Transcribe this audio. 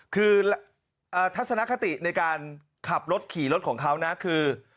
คือทัศนคติในการขับรถขี่รถของเขานะคือ